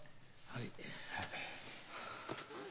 はい。